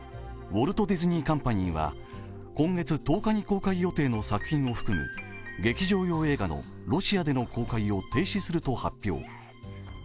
ウォルト・ディズニー・カンパニーは今月１０日に公開予定の作品を含む劇場用映画のロシアでの公開を停止すると発表。